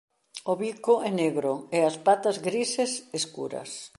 O bico é negro e as patas grises escuras.